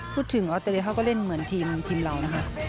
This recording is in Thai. พูดถึงออสเตรเลียเขาก็เล่นเหมือนทีมเรานะคะ